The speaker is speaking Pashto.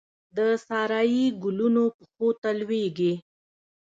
د سارايي ګلونو پښو ته لویږې